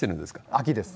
秋です。